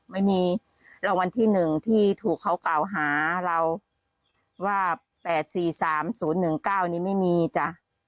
ไม่มีรางวัลที่๑ที่ถูกเขากล่าวหาเราว่า๘๔๓๐๑๙นี้ไม่มีจ้ะ